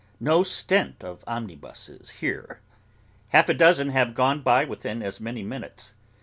No stint of omnibuses here! Half a dozen have gone by within as many minutes.